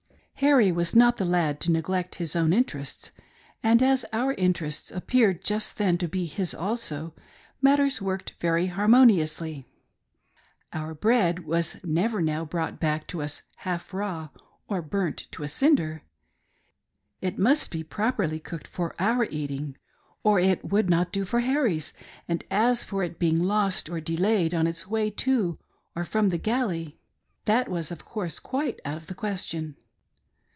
Harry was not the lad to neglect his own interests, and as our interests appeared just then to be his also, matters worked very harmoniously. Our bread was never now brought back to us half raw or burnt to a cinder. It must be properly cooked for our eating or it would not do for Harry's, and as for it being lost or delayed on its way to or from the galley AN ANCIENT SCOTTISH SISTER. I77 that was, of course, quite out of the question.